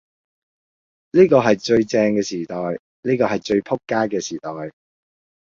呢個係最正嘅時代，呢個係最仆街嘅時代，